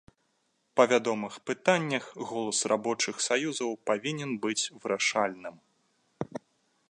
Па вядомых пытаннях голас рабочых саюзаў павінен быць вырашальным.